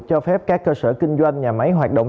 cho phép các cơ sở kinh doanh nhà máy hoạt động